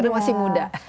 karena masih muda